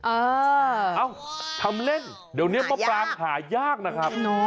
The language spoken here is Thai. เอ้าทำเล่นเดี๋ยวนี้มะปรางหายากนะครับ